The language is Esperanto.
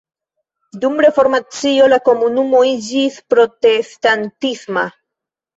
Dum Reformacio la komunumo iĝis protestantisma.